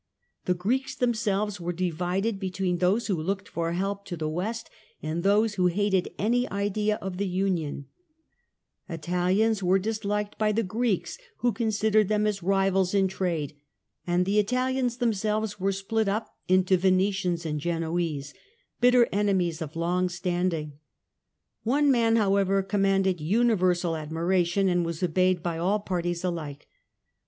The Greeks themselves were divided between those who looked for help to the West and those who hated any idea of the union ; Italians were dishked by the Greeks who considered them as rivals in trade, and the Italians themselves were split up into Venetians and Genoese, bitter enemies of long standing. One man, however, commanded universal admiration and was obeyed by all parties alike.